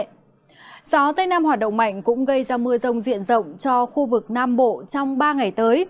gió tây nam hoạt động mạnh cũng gây ra mưa rông diện rộng cho khu vực nam bộ trong ba ngày tới